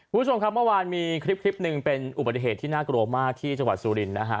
คุณผู้ชมครับเมื่อวานมีคลิปหนึ่งเป็นอุบัติเหตุที่น่ากลัวมากที่จังหวัดสุรินทร์นะฮะ